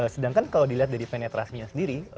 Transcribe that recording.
sedangkan kalau dilihat dari penetrasinya sendiri